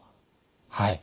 はい。